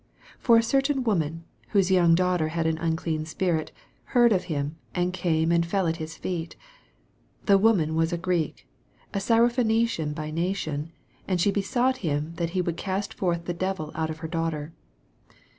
25 For a eertain woman, whose young daughter had an unclean spir it, heard of him, and came and fell at his feet: 26 The woman was a Greek, a Sy rophenician by nation ; and she be sought him that he would cast forth the devil out of her daughter.